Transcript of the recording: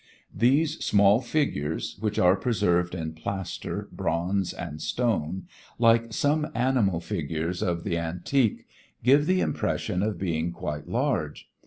These small figures which are preserved in plaster, bronze and stone, like some animal figures of the Antique, give the impression of being quite large.